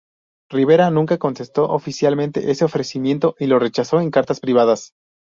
Rivera nunca contestó oficialmente ese ofrecimiento, y lo rechazó en cartas privadas.